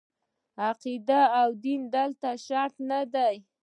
عقیده او دین دلته شرط نه دي.